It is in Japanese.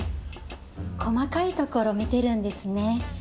細かいところ見てるんですね。